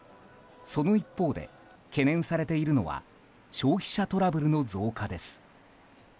その一方で、懸念されているのは消費者トラブルの増加です。